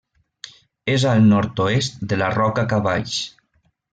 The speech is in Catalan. És al nord-oest de la Roca Cavalls.